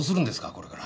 これから。